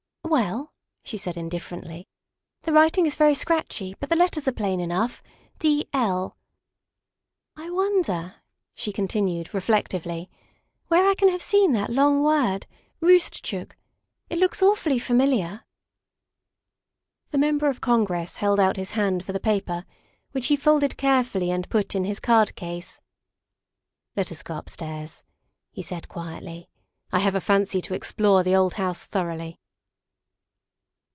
" Well," she said indifferently, " the writing is very scratchy but the letters are plain enough D. L. " I wonder," she continued reflectively, " where I can have seen that long word Roostchook; it looks awfully familiar." The Member of Congress held out his hand for the paper, which he folded carefully and put in his card case. " Let us go upstairs," he said quietly. " I have a fancy to explore the old house thoroughly."